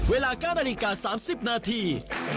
เวลาการณีการ๓๐นาที